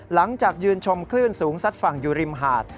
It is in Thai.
หลังจากยืนชมคลื่นสูงซัดฝั่งอยู่ริมหาด